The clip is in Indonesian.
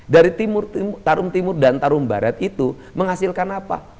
dari tarum timur dan tarum barat itu menghasilkan apa